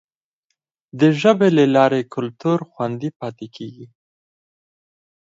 د ژبي له لارې کلتور خوندي پاتې کیږي.